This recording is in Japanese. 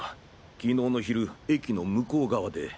昨日の昼駅の向こう側で。